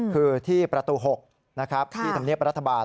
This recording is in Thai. คือที่ประตู๖นะครับที่ธรรมเนียบรัฐบาล